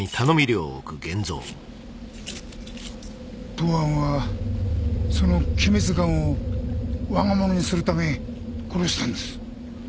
東庵はその鬼滅丸をわがものにするため殺したんです